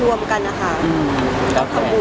เราไม่จำเป็นเต็มไม่ได้ทำบุญ